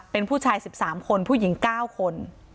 เป็นผู้ชาย๑๓คนผู้หญิง๙คน